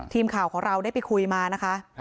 ทีมข่าวของเราได้ไปคุยมานะคะ